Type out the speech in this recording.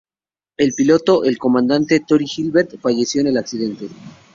El piloto, el comandante Troy Gilbert, falleció en el accidente.